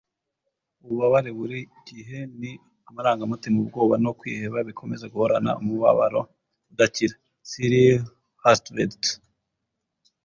ububabare buri gihe ni amarangamutima ubwoba no kwiheba bikomeza guhorana umubabaro udakira - siri hustvedt